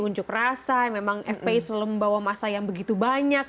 unjuk rasa memang fpi selalu membawa masa yang begitu banyak